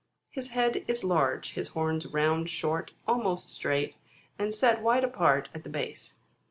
His head is large ; his horns round, short, almost straight, and set wide apart at the base.